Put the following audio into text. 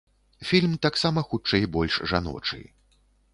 Фільм таксама хутчэй больш жаночы.